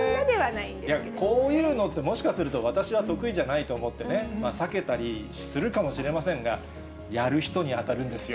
こういうのって、もしかすると、私は得意じゃないと思ってね、避けたりするかもしれませんが、やる人に当たるんですよ。